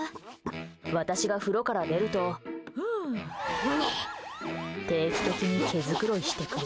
私が風呂から出ると定期的に毛づくろいしてくる。